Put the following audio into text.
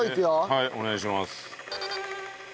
はいお願いします。